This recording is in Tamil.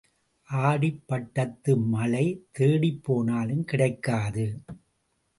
ஆடிப் பட்டத்து மழை தேடிப் போனாலும் கிடைக்காது.